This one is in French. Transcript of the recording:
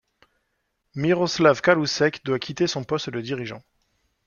Miroslav Kalousek doit quitter son poste de dirigeant.